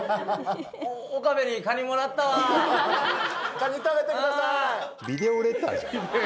カニ食べてください。